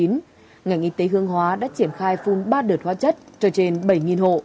ngành y tế hương hóa đã triển khai phun ba đợt hóa chất cho trên bảy hộ